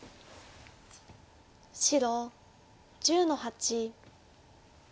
白１０の八。